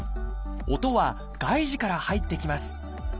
音は外耳から入ってきます。